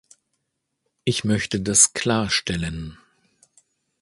Ich möchte das klarstellen.